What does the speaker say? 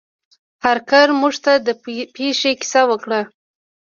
هارکر موږ ته د پیښې کیسه وکړه.